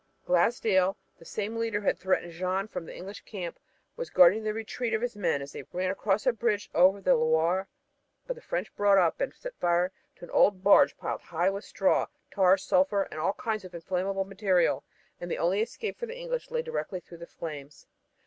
Glasdale, the same leader who had threatened Jeanne from the English camp, was guarding the retreat of his men as they ran across a bridge over the Loire, but the French brought up and set fire to an old barge piled high with straw, tar, sulphur and all kinds of inflammable material, and the only escape for the English lay directly through the flames.